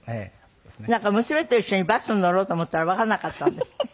なんか娘と一緒にバスに乗ろうと思ったらわからなかったんですって？